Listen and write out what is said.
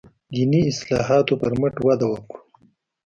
دیني اصلاحاتو پر مټ وده وکړه.